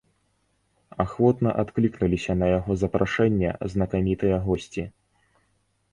Ахвотна адклікнуліся на яго запрашэнне знакамітыя госці.